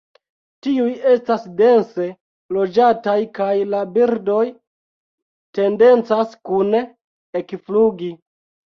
Tiuj estas dense loĝataj kaj la birdoj tendencas kune ekflugi.